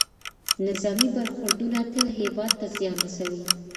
نظامي برخوردونه تل هېواد ته زیان رسوي.